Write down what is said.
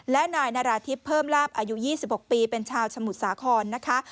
และนายนาราธิบเพิ่มลาบอายุ๒๖ปีเป็นชาวสมุทรสาครนะคะ